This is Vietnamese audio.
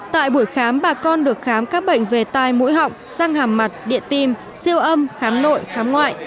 tại buổi khám bà con được khám các bệnh về tai mũi họng răng hàm mặt điện tim siêu âm khám nội khám ngoại